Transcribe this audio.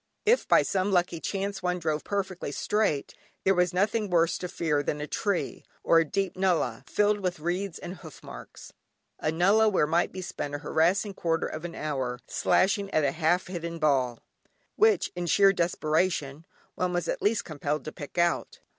If by some lucky chance one drove perfectly straight, there was nothing worse to fear than a tree, or a deep nullah, filled with reeds and hoof marks, a nullah where might be spent a harassing quarter of an hour, slashing at a half hidden ball, which, in sheer desperation, one was at last compelled to pick out.